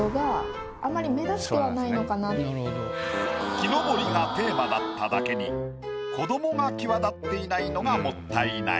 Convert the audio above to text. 木登りがテーマだっただけに子どもが際立っていないのがもったいない。